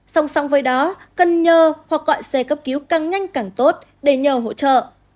song song với đó cần nhờ hoặc gọi xe cấp cứu càng nhanh càng tốt để nhờ hỗ trợ